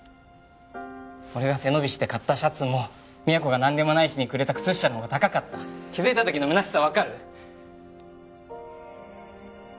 俺が背伸びして買ったシャツも都が何でもない日にくれた靴下の方が高かった気づいたときのむなしさ分かる？